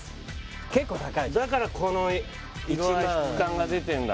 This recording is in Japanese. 結構高いだからこの色合い質感が出てんだ